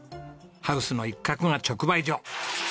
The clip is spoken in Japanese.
ハウスの一角が直売所。